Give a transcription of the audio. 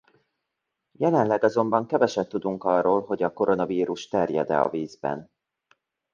Jelenleg azonban keveset tudunk arról, hogy a koronavírus terjed-e vízben.